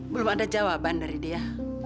belum ada jawaban dari dia